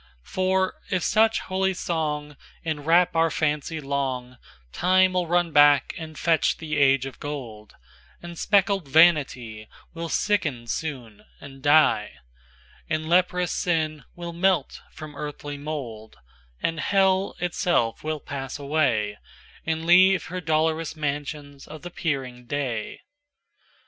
XIVFor, if such holy songEnwrap our fancy long, Time will run back and fetch the Age of Gold; And speckled VanityWill sicken soon and die, And leprous Sin will melt from earthly mould; And Hell itself will pass away, And leave her dolorous mansions of the peering day.